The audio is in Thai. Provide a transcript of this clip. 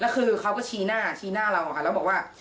แล้วคือเขาก็ชี้หน้าชี้หน้าเราค่ะแล้วบอกว่า